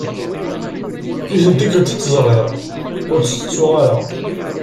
Yiwet n tikelt i tt-ẓriɣ, ur tt-tettuɣ ara.